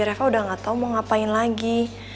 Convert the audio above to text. mereka udah gak tau mau ngapain lagi